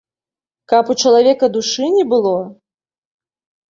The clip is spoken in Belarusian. Каб у чалавека душы не было?